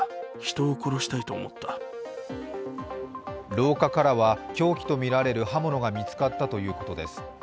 廊下からは凶器とみられる刃物が見つかったということです。